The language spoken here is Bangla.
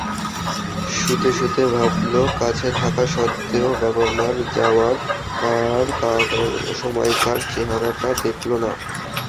শুতে শুতে ভাবল, কাছে থাকা সত্ত্বেও বাবার মারা যাওয়ার সময়কার চেহারাটা দেখল না।